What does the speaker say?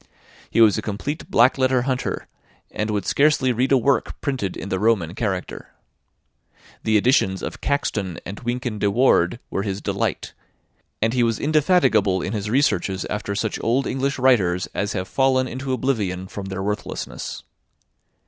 He was a complete black letter hunter, and would scarcely read a work printed in the Roman character. The editions of Caxton and Wynkin de Worde were his delight; and he was indefatigable in his researches after such old English writers as have fallen into oblivion from their worthlessness.